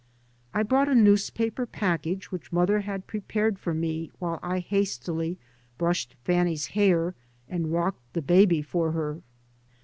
I brought a newspaper pack age which mother had prepared for me while I hastily brushed Fanny's hair and rocked the baby for her.